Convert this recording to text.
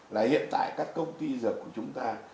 là hiện tại các công ty dược của chúng ta